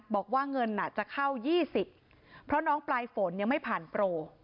บอกว่าเงินจะเข้า๒๐เพราะน้องปลายฝนยังไม่ผ่านโปร